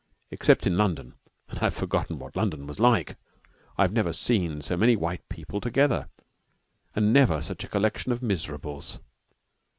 Except in London and I have forgotten what London was like I had never seen so many white people together, and never such a collection of miserables.